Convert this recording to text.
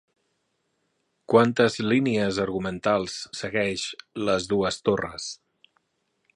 Quantes línies argumentals segueix 'Les dues torres'?